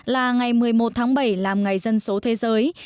là ngày một mươi một tháng bảy làm ngày dân số thế giới